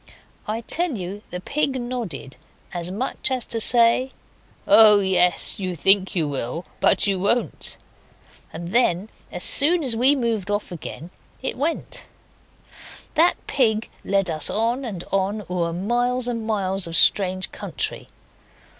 I tell you the pig nodded as much as to say 'Oh, yes. You think you will, but you won't!' and then as soon as we moved again off it went. That pig led us on and on, o'er miles and miles of strange country.